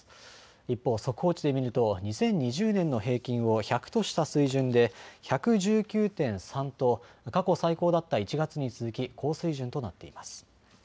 一方、速報値で見ると２０２０年の平均を１００とした水準で１１９．３と過去最高だった１月に続き高水準となっています。